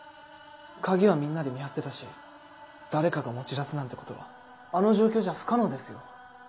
鍵はみんなで見張ってたし誰かが持ち出すなんてことはあの状況じゃ不可能ですよ。